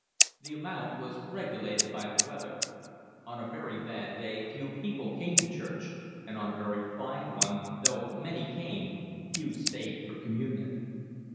The amount was regulated by the weather. On a very bad day few people came to church, and on a very fine one, though many came, few stayed for communion.